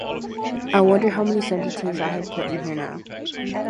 I wonder how many sentences I have put in here now